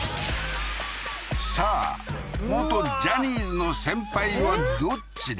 さあ元ジャニーズの先輩はどっちだ？